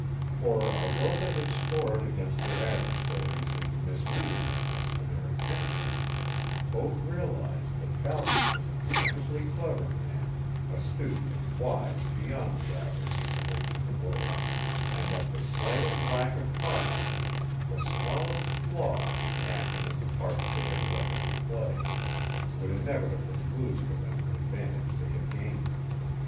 For, although they had scored against their adversaries in misleading them as to their intentions, both realized that Balcom was a tremendously clever man, astute and wise beyond the average in the ways of the world, and that the slightest lack of caution, the smallest flaw in the acting of the parts they had elected to play, would inevitably lose for them the advantage they had gained.